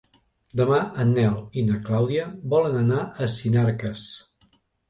Demà en Nel i na Clàudia volen anar a Sinarques.